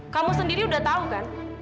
kamu sendiri udah tahu kan